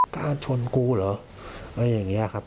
กล้าชนกูเหรอแล้วอย่างเงี้ยครับ